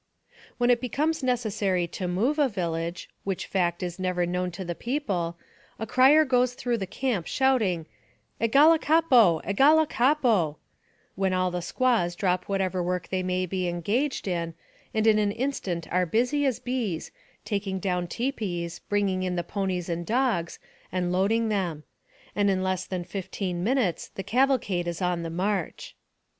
When it becomes necessary to move a village, which fact is never known to the people, a crier goes through the camp, shouting, " Egalakapo ! Egalakapo !" when all the squaws drop whatever work they may be engaged in, and in an instant are busy as bees, taking down tipis, bringing in the ponies and dogs, and load 178 NARRATIVE OF CAPTIVITY ing them; and in less than fifteen minutes the caval cade is on the march.